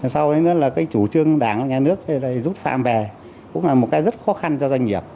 sau là cái chủ trương đảng nhà nước rút phạm về cũng là một cái rất khó khăn cho doanh nghiệp